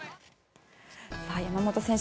山本選手